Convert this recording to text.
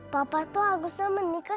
papa tuh agusnya menikah